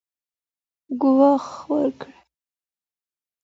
ګواښ وکړ